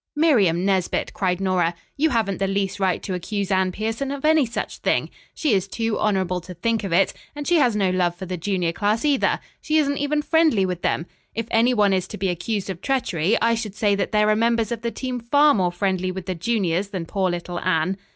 "Miriam Nesbit," cried Nora. "You haven't the least right to accuse Anne Pierson of any such thing. She is too honorable to think of it, and she has no love for the junior class either. She isn't even friendly with them. If any one is to be accused of treachery, I should say that there are members of the team far more friendly with the juniors than poor little Anne."